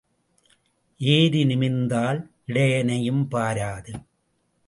ஏரி நிமிர்ந்தால் இடையனையும் பாராது.